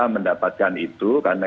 mendapatkan itu karena